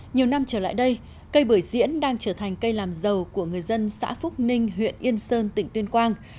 nhiều năm trở lại đây cây bưởi diễn đang trở thành cây làm giàu của người dân xã phúc ninh huyện yên sơn tỉnh tuyên quang